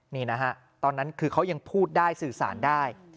นี่นะฮะตอนนั้นคือเขายังพูดได้สื่อสารได้